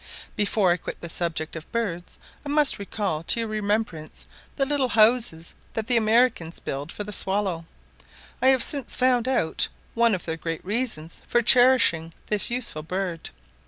Before I quit the subject of birds, I must recall to your remembrance the little houses that the Americans build for the swallow; I have since found out one of their great reasons for cherishing this useful bird.